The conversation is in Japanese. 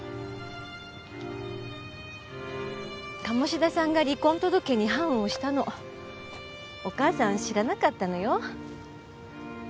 鴨志田さんが離婚届に判を押したのお母さん知らなかったのよ。